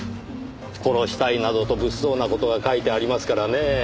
「殺したい」などと物騒な事が書いてありますからねぇ。